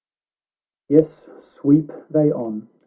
XVII Yes, sweep they on